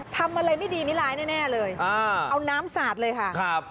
ทำอะไรไม่ดีไม่ร้ายแน่เลยเอาน้ำสาดเลยค่ะครับ